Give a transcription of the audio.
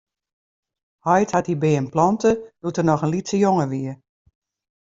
Heit hat dy beam plante doe't er noch in lytse jonge wie.